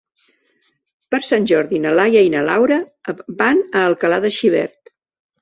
Per Sant Jordi na Laia i na Laura van a Alcalà de Xivert.